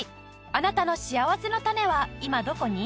あなたのしあわせのたねは今どこに？